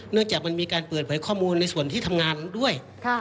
จากมันมีการเปิดเผยข้อมูลในส่วนที่ทำงานด้วย